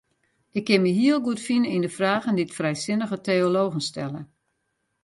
Ik kin my heel goed fine yn de fragen dy't frijsinnige teologen stelle.